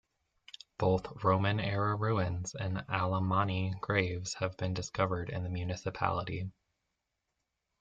Both Roman era ruins and Alamanni graves have been discovered in the municipality.